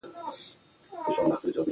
موږ باید دا کلتور عام کړو.